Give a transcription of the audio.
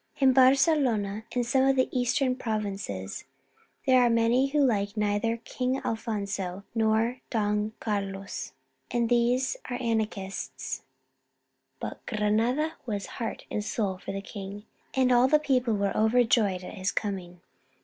In Barcelona and some of the eastern provinces there are many who like neither Viva el Rey! ng King Alphonso nor Don Carlos, and these are anarchists ; but Granada was heart and soul for the king, and all the people were overjoyed at his coming.